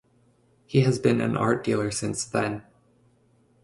He has been an art dealer since then.